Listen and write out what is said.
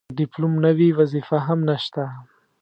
که ډیپلوم نه وي وظیفه هم نشته.